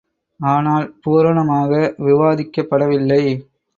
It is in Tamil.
ஆனால், பூரணமாக விவாதிக்கப் படவில்லை.